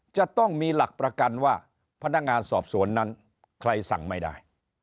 จะต้องมีหลักประกันว่าพนักงานสอบสวนนั้นใครสั่งไม่ได้